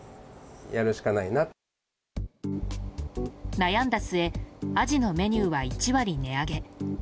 悩んだ末アジのメニューは１割値上げ。